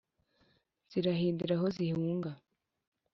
zirazihindira aho zihunga,